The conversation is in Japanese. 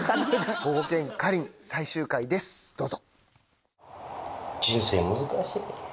保護犬かりん最終回ですどうぞ。